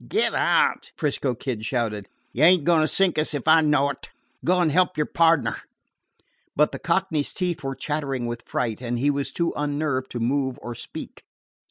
"Get out!" 'Frisco Kid shouted. "You ain't a going to sink us if I know it. Go and help your pardner." But the Cockney's teeth were chattering with fright, and he was too unnerved to move or speak.